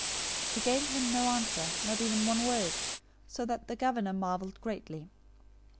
027:014 He gave him no answer, not even one word, so that the governor marveled greatly.